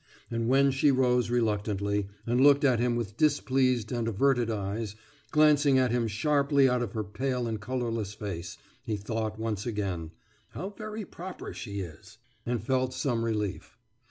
And when she rose reluctantly, and looked at him with displeased and averted eyes, glancing at him sharply out of her pale and colourless face, he thought once again, »How very proper she is!« and felt some relief.